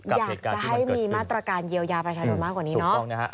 อยากจะให้มีมาตรการเยียวยาประชาชนมากกว่านี้เนาะ